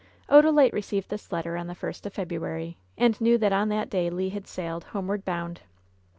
Odalite received this letter on the first of February, and knew that on that day Le had sailed, homeward bound.